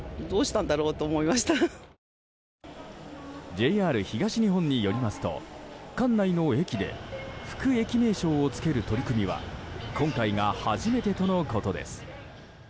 ＪＲ東日本によりますと管内の駅で副駅名称を付ける取り組みは今回が初めてとのことです。